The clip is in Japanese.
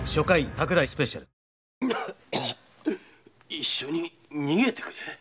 一緒に逃げてくれ？